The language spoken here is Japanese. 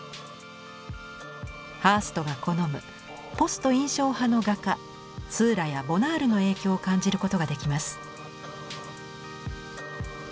ハーストが好むポスト印象派の画家スーラやボナールの影響を感じることができます。